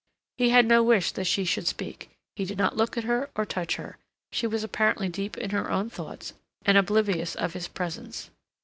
He had no wish that she should speak; he did not look at her or touch her; she was apparently deep in her own thoughts and oblivious of his presence.